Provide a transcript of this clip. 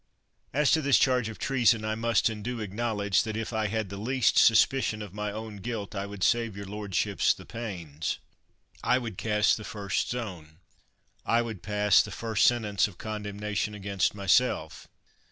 As to this charge of treason, I must and do acknowledge that if I had the least suspicion of my own guilt I would save your lordships the pains. I would cast the first stone. I would pass the first sentence of condemnation against myself.